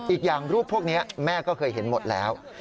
อีกอย่างรูปพวกนี้แม่ก็เคยเห็นหมดแล้ว